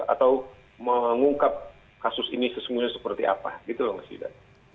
atau mengungkap kasus ini sesungguhnya seperti apa gitu loh mas yuda